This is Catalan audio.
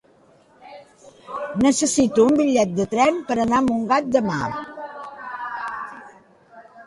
Necessito un bitllet de tren per anar a Montgat demà.